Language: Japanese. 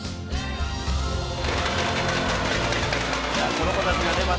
「この子たちがねまた」